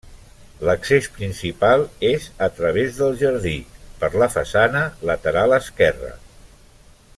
L'accés principal és a través del jardí per la façana lateral esquerra.